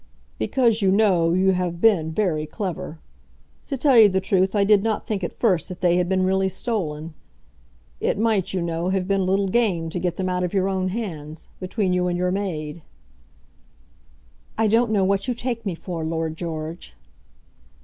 "Because, you know, you have been very clever. To tell you the truth, I did not think at first that they had been really stolen. It might, you know, have been a little game to get them out of your own hands, between you and your maid." "I don't know what you take me for, Lord George."